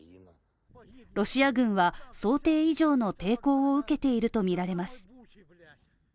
ロシア軍は想定以上の抵抗を受けているとみられます。